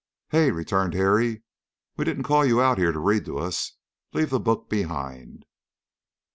"Hey," returned Harry, "we didn't call you out here to read to us. Leave the book behind!"